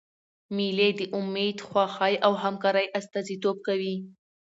مېلې د امېد، خوښۍ او همکارۍ استازیتوب کوي.